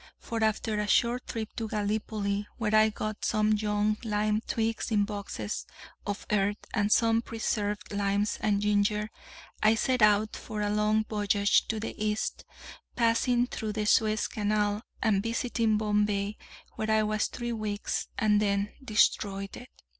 For, after a short trip to Gallipoli, where I got some young lime twigs in boxes of earth, and some preserved limes and ginger, I set out for a long voyage to the East, passing through the Suez Canal, and visiting Bombay, where I was three weeks, and then destroyed it.